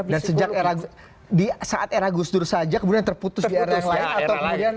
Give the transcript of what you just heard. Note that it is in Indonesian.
dan sejak era saat era gustur saja kemudian terputus di era yang lain